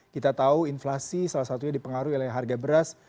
kita tahu inflasi salah satunya dipengaruhi oleh harga beras